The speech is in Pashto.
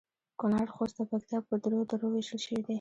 کونړ ، خوست او پکتیا په درو درو ویشل شوي دي